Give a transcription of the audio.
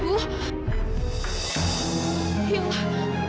cukup cukup cukup